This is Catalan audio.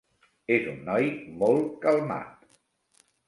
És un noi molt calmat.